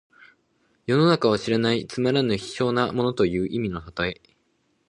世の中を知らないつまらぬ卑小な者という意味の例え。